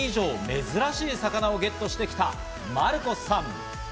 珍しい魚をゲットしてきたマルコスさん。